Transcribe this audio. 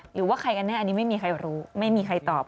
หรือว่าใครกันแน่อันนี้ไม่มีใครรู้ไม่มีใครตอบ